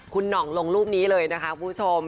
คุณหน่องลงรูปนี้เลยนะคะคุณผู้ชม